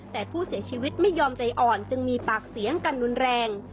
แต่ผู้เสียชีวิตไม่ยอมใจอ่อนจึงมีปากเสียงกันรุนแรง